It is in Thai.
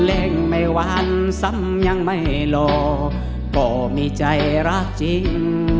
เล่นไม่วันซ้ำยังไม่รอก็มีใจรักจริง